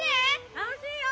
楽しいよ！